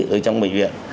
ở trong bệnh viện